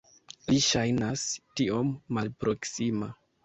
Li ŝajnas tiom malproksima.